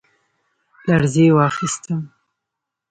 لـړزې واخيسـتم ،